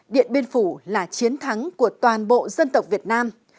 điện biên phủ là chiến thắng của toàn bộ dân tộc việt nam